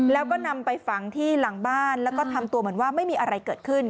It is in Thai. แล้วก็นำไปฝังที่หลังบ้านแล้วก็ทำตัวเหมือนว่าไม่มีอะไรเกิดขึ้น